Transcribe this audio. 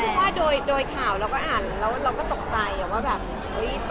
ใช่เพราะโดยข่าวเราก็อ่านแล้วก็ตกใจ